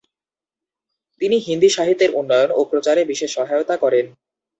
তিনি হিন্দী সাহিত্যের উন্নয়ন ও প্রচারে বিশেষ সহায়তা করেন।